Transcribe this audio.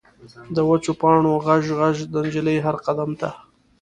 د وچو پاڼو غژ، غژ، د نجلۍ هر قدم ته